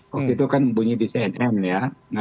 waktu itu kan bunyi di cnn ya